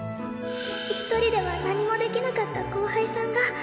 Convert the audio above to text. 一人では何もできなかった後輩さんが。